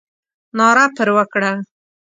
ناره پر وکړه.